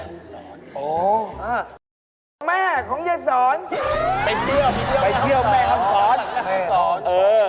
เอ้อกูก็ไม่อยากเกียรตมาฟัง